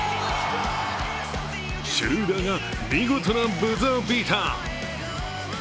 シュルーダーが見事なブザービーター。